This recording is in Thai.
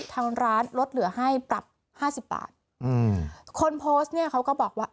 ทางร้านลดเหลือให้ปรับห้าสิบบาทอืมคนโพสต์เนี่ยเขาก็บอกว่า